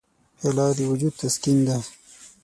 پیاله د وجود تسکین ده.